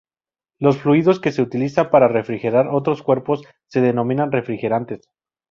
Los fluidos que se utilizan para refrigerar otros cuerpos se denominan refrigerantes.